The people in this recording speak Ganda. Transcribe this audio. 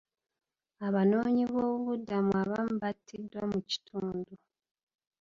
Abanoonyiboobubudamu abamu battiddwa mu kitundu.